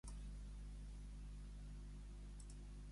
Els mestres tampoc són mares, pares, marits, avis, tiets.